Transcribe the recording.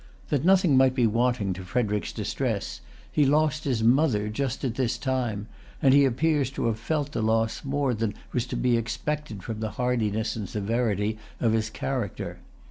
That nothing might be wanting to Frederic's distress, he lost his mother just at this time; and he appears to have felt the loss more than was to be expected from the hardness and severity of his character.